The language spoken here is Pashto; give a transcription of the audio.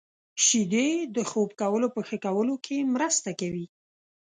• شیدې د خوب کولو په ښه کولو کې مرسته کوي.